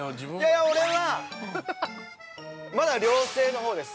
◆いや、俺はまだ良性のほうです。